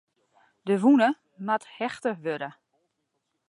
De wûne moat hechte wurde.